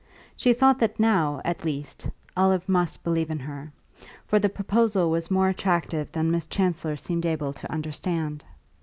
She thought that now, at least, Olive must believe in her; for the proposal was more attractive than Miss Chancellor seemed able to understand.